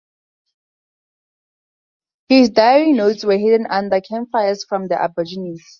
His diary's notes were hidden under camp fires from the Aborigines.